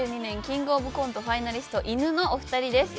キングオブコントファイナリストいぬのお二人です。